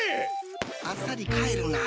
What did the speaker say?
あっさり帰るな。